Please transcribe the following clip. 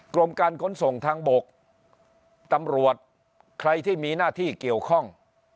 กรมการขนส่งทางบกตำรวจใครที่มีหน้าที่เกี่ยวข้อง